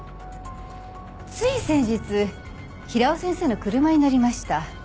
つい先日平尾先生の車に乗りました。